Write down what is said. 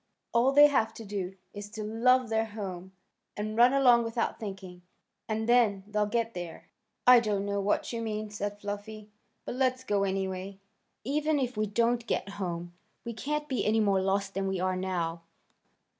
All they have to do is to love their home, and run along without thinking, and then they'll get there." "I don't know what you mean," said Fluffy, "but let's go anyway. Even if we don't get home we can't be any more lost than we are now."